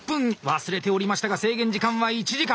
忘れておりましたが制限時間は１時間。